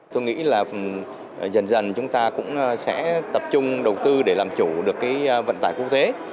tôi nghĩ là dần dần chúng ta cũng sẽ tập trung đầu tư để làm chủ được cái vận tải quốc tế